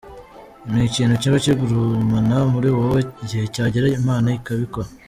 Ni ikintu kiba kigurumana muri wowe igihe cyagera Imana ikabikora.